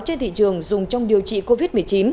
trên thị trường dùng trong điều trị covid một mươi chín